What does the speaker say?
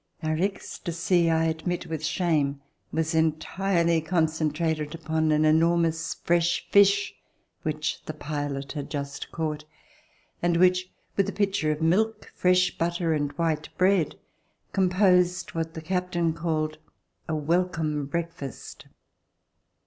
Our ecstacy, I admit with shame, was entirely concentrated upon an enormous fresh fish which the pilot had just caught and which, with a pitcher of milk, fresh butter and white bread, composed what the captain RECOLLECTIONS OF THE REVOLUTION called "a welcome breakfast."